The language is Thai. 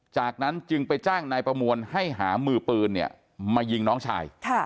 จากนั้นจึงไปจ้างนายประมวลให้หามือปืนมายิงน้องชาย